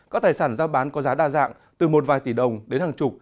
các tài sản giao bán có giá đa dạng từ một vài tỷ đồng đến hàng chục